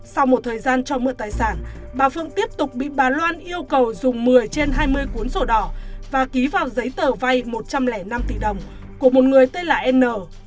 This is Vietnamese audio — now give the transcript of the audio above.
sau một thời gian cho mượn tài sản bà phương tiếp tục bị bà loan yêu cầu dùng một mươi trên hai mươi cuốn sổ đỏ và ký vào giấy tờ vay một trăm linh năm tỷ đồng của một người tên là n